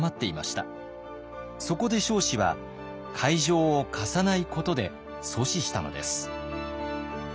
そこで彰子は会場を貸さないことで阻止したのです。